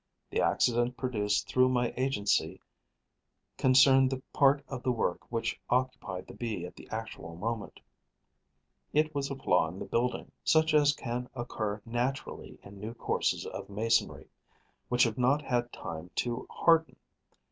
The accident produced through my agency concerned the part of the work which occupied the Bee at the actual moment; it was a flaw in the building, such as can occur naturally in new courses of masonry, which have not had time to harden.